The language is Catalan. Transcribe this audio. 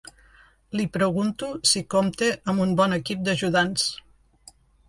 Li pregunto si compta amb un bon equip d'ajudants.